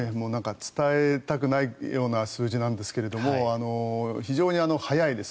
伝えたくないような数字なんですけれど非常に速いです。